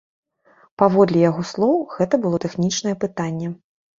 Паводле яго слоў, гэта было тэхнічнае пытанне.